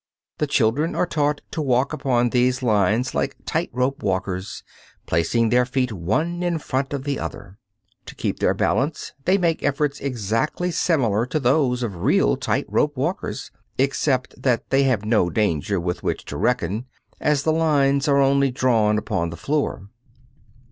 The children are taught to walk upon these lines like tight rope walkers, placing their feet one in front of the other. To keep their balance they make efforts exactly similar to those of real tight rope walkers, except that they have no danger with which to reckon, as the lines are only drawn upon the floor.